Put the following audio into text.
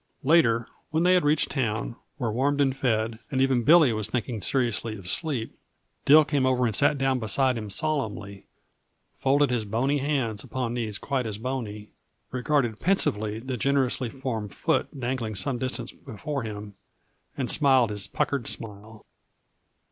Later, when they had reached town, were warmed and fed and when even Billy was thinking seriously of sleep, Dill came over and sat down beside him solemnly, folded his bony hands upon knees quite as bony, regarded pensively the generously formed foot dangling some distance before him and smiled his puckered smile.